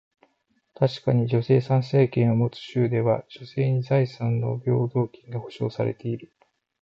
確かに、女性参政権を持つ州では、女性に財産の平等権が保証されている。